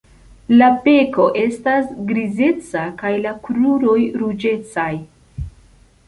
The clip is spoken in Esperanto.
La beko estas grizeca kaj la kruroj ruĝecaj.